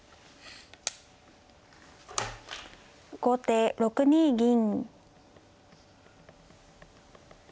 後手６二銀。